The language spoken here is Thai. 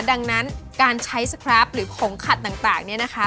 ดังนั้นการใช้สคราฟหรือของขัดต่างเนี่ยนะคะ